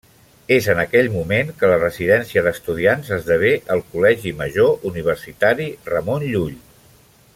És en aquell moment que la Residència d’Estudiants esdevé el Col·legi Major Universitari Ramon Llull.